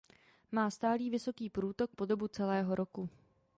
Má stálý vysoký průtok po dobu celého roku.